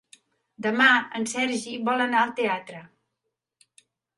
Demà en Sergi vol anar al teatre.